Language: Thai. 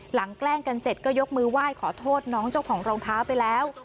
แกล้งกันเสร็จก็ยกมือไหว้ขอโทษน้องเจ้าของรองเท้าไปแล้ว